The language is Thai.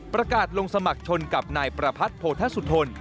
ประกาศลงสมัครชนกับนายประพัทธ์โพธสุธน